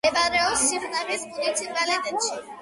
მდებარეობს სიღნაღის მუნიციპალიტეტში.